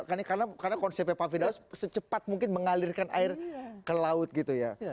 karena konsepnya pak firaus secepat mungkin mengalirkan air ke laut gitu ya